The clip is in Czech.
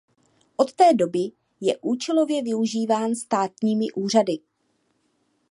Od té doby je účelově využíván státními úřady.